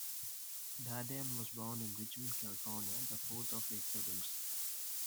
Darden was born in Richmond, California, the fourth of eight siblings.